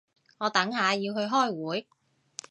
我等下要去開會